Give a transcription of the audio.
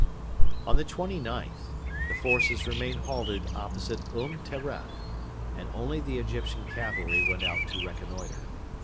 On the 29th the forces remained halted opposite Um Teref, and only the Egyptian cavalry went out to reconnoitre.